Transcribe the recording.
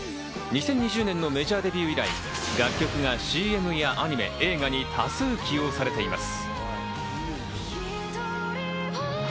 ２０２０年のメジャーデビュー以来、楽曲がＣＭやアニメ、映画に多数起用されています。